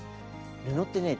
布ってね